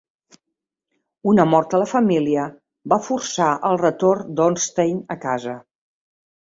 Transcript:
Una mort a la família va forçar el retorn d'Ornstein a casa.